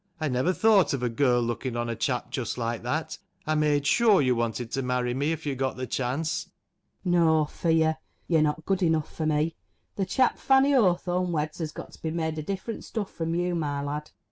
I never thought of a girl looking on a chap just like that ! I made sure you wanted to marry me if you got the chance. 104 KINDLE WAKES [ACT FANNY. No fear ! You're not good enough for me. The chap Fanny Hawthorn weds has got to be made of different stuff from you, my lad.